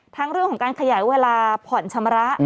เรื่องของการขยายเวลาผ่อนชำระ